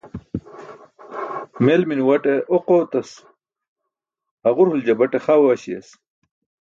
Mel minuwaṭe oq ootas, haġur huljabaṭe xa uwaśiyas.